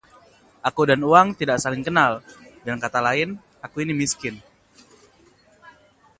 Aku dan uang tidak saling kenal. Dengan kata lain, aku ini miskin.